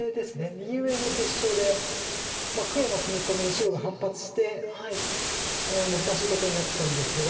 右上の折衝で黒の踏み込みに白が反発して難しいことになったんですが。